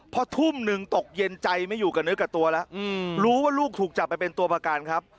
พอทุ่มหนึ่งตกเย็นใจไม่อยู่กับเนื้อกับตัวแล้วรู้ว่าลูกถูกจับไปเป็นตัวประกันครับ